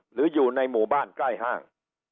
หรืออยู่ในหมู่บ้านใกล้ห้าง